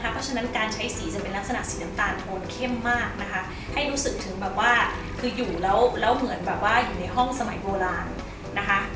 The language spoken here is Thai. เพราะฉะนั้นการใช้สีจะเป็นลักษณะสีน้ำตาลโทนเข้มมากนะคะให้รู้สึกถึงแบบว่าคืออยู่แล้วเหมือนแบบว่าอยู่ในห้องสมัยโบราณนะคะ